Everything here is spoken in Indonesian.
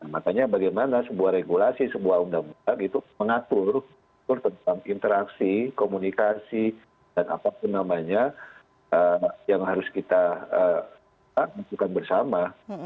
makanya bagaimana sebuah regulasi sebuah undang undang itu mengatur tentang interaksi komunikasi dan apapun namanya yang harus kita lakukan bersama